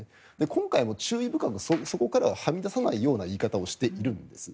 今回も注意深くそこからははみ出さないような言い方をしているんです。